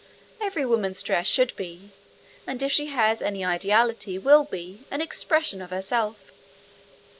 Every woman's dress should be, and if she has any ideality will be, an expression of herself.